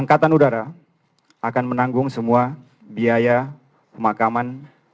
angkatan udara akan menanggung semua biaya pemakaman